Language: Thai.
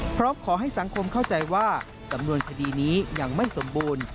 พร้อมขอให้สังคมเข้าใจว่าสำนวนคดีนี้ยังไม่สมบูรณ์